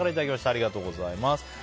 ありがとうございます。